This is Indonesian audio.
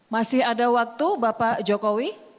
masih ada waktu bapak jokowi